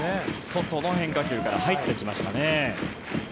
外の変化球から入ってきましたね。